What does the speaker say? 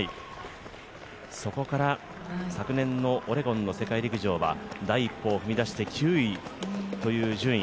そこから、昨年のオレゴンの世界陸上は第一歩を踏み出して９位という順位。